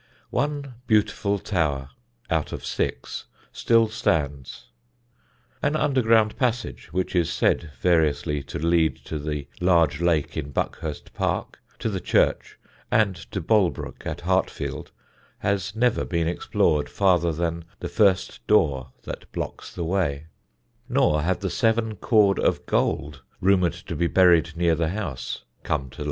One beautiful tower (out of six) still stands. An underground passage, which is said variously to lead to the large lake in Buckhurst Park, to the church, and to Bolebroke at Hartfield, has never been explored farther than the first door that blocks the way; nor have the seven cord of gold, rumoured to be buried near the house, come to light.